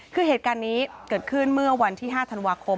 คือเหตุการณ์นี้เกิดขึ้นเมื่อวันที่๕ธันวาคม